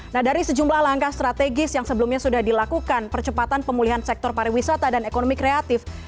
nah dari sejumlah langkah strategis yang sebelumnya sudah dilakukan percepatan pemulihan sektor pariwisata dan ekonomi kreatif